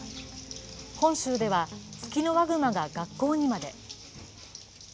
本州では、ツキノワグマが学校にまで。